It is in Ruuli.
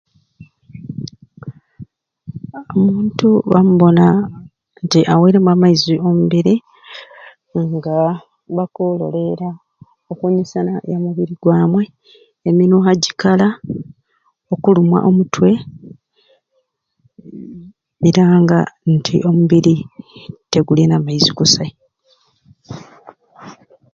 Omuntu bamubona nti aweremu amaizi omumbiri nga bakulolera enyisana ya mubiri gwamwei eminwa gyikala nokulumwa omutwe eranga nti omubiri tegulina maizi kusai